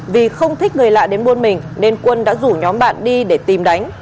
vì không thích người lạ đến buôn mình nên quân đã rủ nhóm bạn đi để tìm đánh